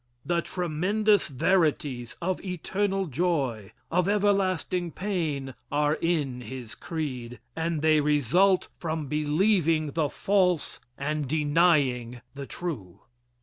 The tremendous "verities" of eternal joy, of everlasting pain are in his creed, and they result from believing the false and denying the true.